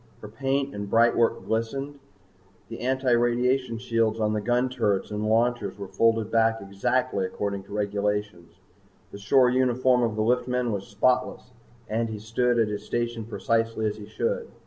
Her paint and brightwork glistened. The antiradiation shields on the gun turrets and launchers were folded back exactly according to regulations. The shore uniform of the liftman was spotless and he stood at his station precisely as he should.